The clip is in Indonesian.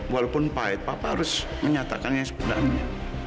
walaupun pahit papa harus menyatakan yang sebenarnya